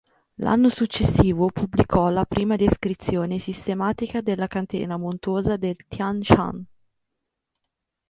L'anno successivo pubblicò la prima descrizione sistematica della catena montuosa del Tian Shan.